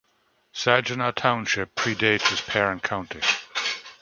Saginaw Township predates its parent county.